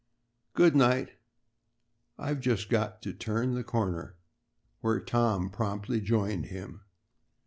Good night. I've just got to turn the corner." Where Tom promptly joined him.